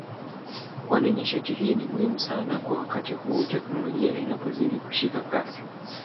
kwani nishati hii ni muhimu sana kwa wakati huu teknolojia inapozidi kushika kasi